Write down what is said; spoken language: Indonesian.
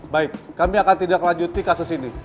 baik kami akan tindak lanjuti kasus ini